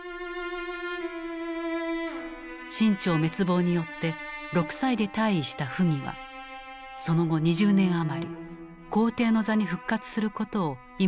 清朝滅亡によって６歳で退位した溥儀はその後２０年余り皇帝の座に復活することを夢みてきた。